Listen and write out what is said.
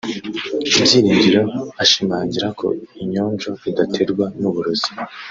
Byiringiro ashimangira ko inyonjo idaterwa n’uburozi